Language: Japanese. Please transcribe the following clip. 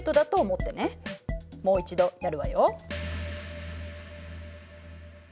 もう一度やるわよ。